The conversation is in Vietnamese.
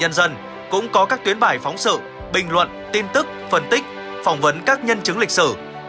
nhân dân cũng có các tuyến bài phóng sự bình luận tin tức phân tích phỏng vấn các nhân chứng lịch sử